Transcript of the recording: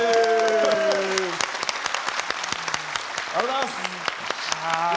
ありがとうございます！